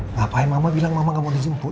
ngapain mama bilang mama gak mau dijemput